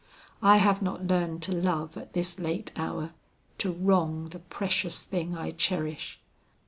I have not learned to love at this late hour, to wrong the precious thing I cherish.